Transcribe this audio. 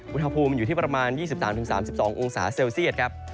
อุณหภูมิอยู่ที่ประมาณ๒๓๓๒องศาเซลเซียตครับ